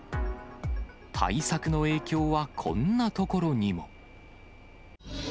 対策の影響は、こんな所にも。